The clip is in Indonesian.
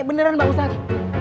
beneran bang ustadz